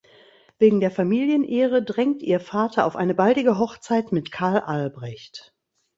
Wegen der Familienehre drängt ihr Vater auf eine baldige Hochzeit mit Karl Albrecht.